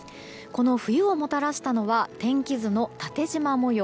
この冬をもたらしたのは天気図の縦じま模様